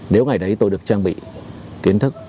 nếu ngày đấy tôi được trang bị kiến thức